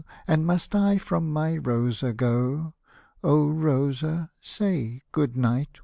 And must I from my Rosa go ? O Rosa, say " Good night !